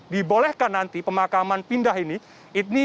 dibolehkan nanti pemakaman pindah ini